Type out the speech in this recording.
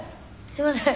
すいません。